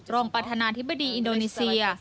รองประธานาธิบดีอินโดนีเซีย